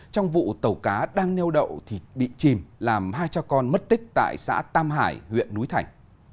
trong vụ tàu cá đang neo đậu thì bị chìm làm hai cha con mất tích tại xã tam hải huyện núi thành